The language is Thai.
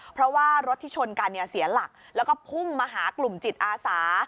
เพราะว่ารถที่ชนกันเสียหลักแล้วก็พุ่งมาหากลุ่มจิตอาสา